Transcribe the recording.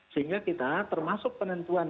sehingga kita termasuk penentuan